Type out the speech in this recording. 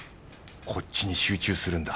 こっちに集中するんだ。